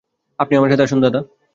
আপনি, আমার সাথে আসুন, দাদা।